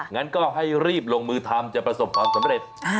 งั้นก็ให้รีบลงมือทำจะประสบความสำเร็จ